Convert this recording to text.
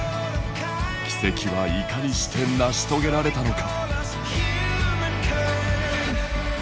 奇跡はいかにして成し遂げられたのか。